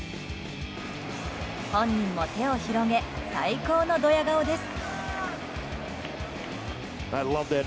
本人も手を広げ最高のドヤ顔です。